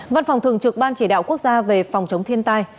văn phòng thường trực ban chỉ đạo quốc gia về phòng chống thiên tai